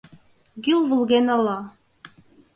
Гӱл вылген ала